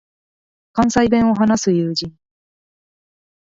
関西弁を話す友人